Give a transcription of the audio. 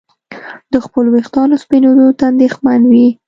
د خپلو ویښتانو سپینېدو ته اندېښمن وي.